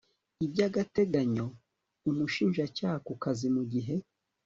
iby agateganyo umushinjacyaha ku kazi mu gihe